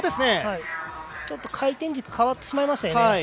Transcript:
ちょっと回転軸変わってしまいましたよね。